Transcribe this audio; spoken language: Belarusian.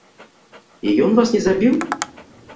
І ён вас не забіў?